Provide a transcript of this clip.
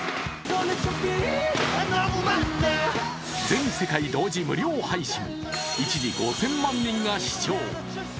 全世界同時無料配信、一時５０００万人が視聴。